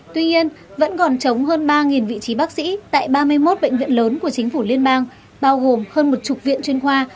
tuy nhiên vẫn còn chống hơn ba vị trí bác sĩ tại ba mươi một bệnh viện lớn của chính phủ liên bang bao gồm hơn một chục viện chuyên khoa